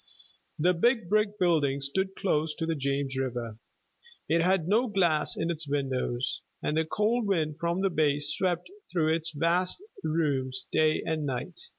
The big brick building stood close to the James River. It had no glass in its windows, and the cold wind from the bay swept through its vast rooms day and night.